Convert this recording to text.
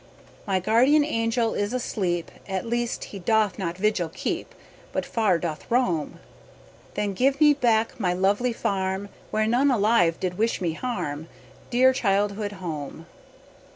My guardian angel is asleep At least he doth no vigil keep But far doth roam. Then give me back my lonely farm Where none alive did wish me harm, Dear childhood home!